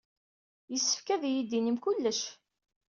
Yessefk ad iyi-d-tinim kullec.